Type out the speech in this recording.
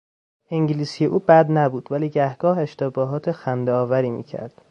انگلیسی او بد نبود ولی گهگاه اشتباهات خندهآوری میکرد.